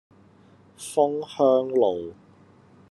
楓香路